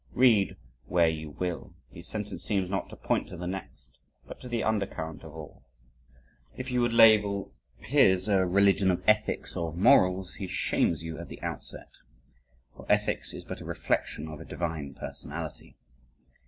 Read where you will, each sentence seems not to point to the next but to the undercurrent of all. If you would label his a religion of ethics or of morals, he shames you at the outset, "for ethics is but a reflection of a divine personality."